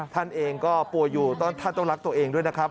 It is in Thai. ท่านเองก็ป่วยอยู่ท่านต้องรักตัวเองด้วยนะครับ